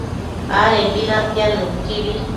adembi natiad nuquibi